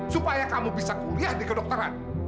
supaya kamu bisa kuliah di kedokteran